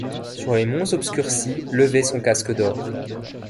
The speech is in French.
Sur les monts obscurcis levait son casque d'or.